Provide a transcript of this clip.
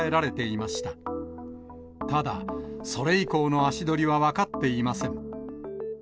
いただそれ以降の足取りは分かっていません。